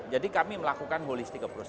jadi kami melakukan holistic approach